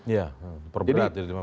ya perberat jadi lima belas tahun